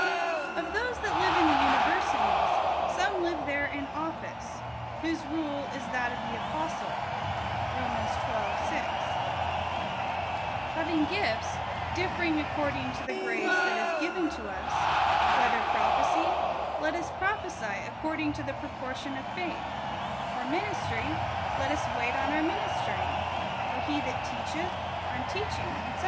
Of those that live in the universities, some live there in office ; whose rule is that of the apostle (Rom. xii. 6) ; Having gifts, differing according to the grace that is given to us, whether prophecy , let us prophesy according to the proportion of faith; or ministry, let us wait on our ministering ; or he that teacheth, on teaching, 4*c.